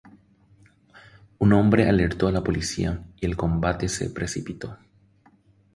Un hombre alertó a la policía y el combate se precipitó.